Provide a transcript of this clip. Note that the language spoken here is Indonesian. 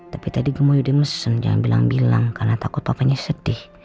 tapi tadi gemuyudi mesen jangan bilang bilang karena takut papanya sedih